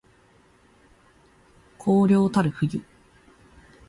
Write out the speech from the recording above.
荒涼たる冬